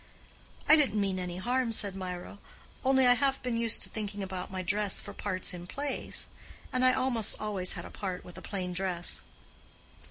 "I didn't mean any harm," said Mirah. "Only I have been used to thinking about my dress for parts in plays. And I almost always had a part with a plain dress."